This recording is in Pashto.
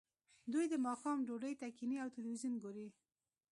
دوی د ماښام ډوډۍ ته کیښني او تلویزیون ګوري